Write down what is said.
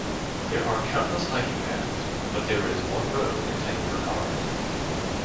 There are countless hiking paths, but there is one road intended for cars.